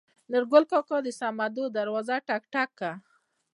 نورګل کاکا د سمدو دروازه ټک ټک کړه.